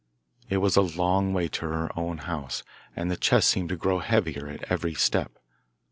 It was a long way to her own house, and the chest seemed to grow heavier at every step.